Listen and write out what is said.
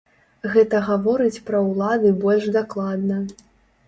Гэта гаворыць пра ўлады больш дакладна.